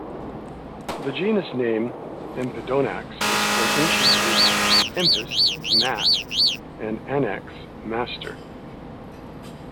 The genus name "Empidonax" is from Ancient Greek "empis", "gnat", and "anax", "master".